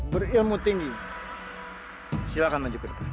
silakan maju ke depan